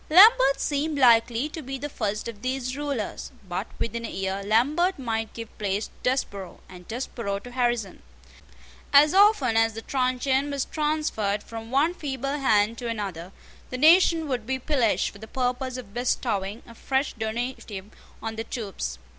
Lambert seemed likely to be the first of these rulers; but within a year Lambert might give place to Desborough, and Desborough to Harrison. As often as the truncheon was transferred from one feeble hand to another, the nation would be pillaged for the purpose of bestowing a fresh donative on the troops.